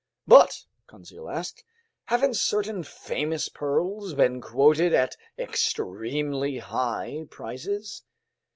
"But," Conseil asked, "haven't certain famous pearls been quoted at extremely high prices?"